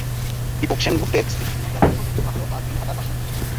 দীপক সেনগুপ্তের স্ত্রী সুনন্দা রায়ের সঙ্গে কথা হলো তাঁর দিনহাটার বাসায়।